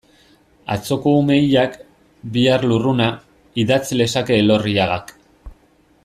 Atzoko ume hilak, bihar lurruna, idatz lezake Elorriagak.